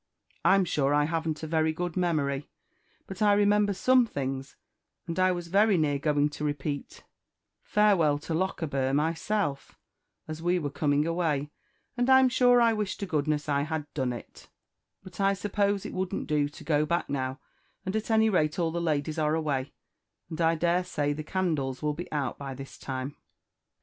I'm sure I haven't a very good memory, but I remember some things; and I was very near going to repeat 'Farewell to Lochaber' myself, as we were coming away; and I'm sure I wish to goodness I had done it; but I suppose it wouldn't do to go back now; and at any rate all the ladies are away, and I dare say the candles will be out by this time."